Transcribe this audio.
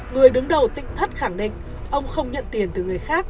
người đứng đầu tỉnh thất khẳng định ông không nhận tiền từ người khác